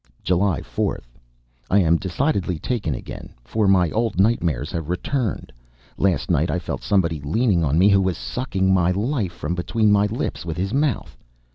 July 4th. I am decidedly taken again; for my old nightmares have returned. Last night I felt somebody leaning on me who was sucking my life from between my lips with his mouth.